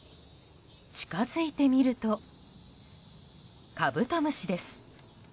近づいてみるとカブトムシです。